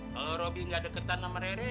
kalau robby gak deketan sama rere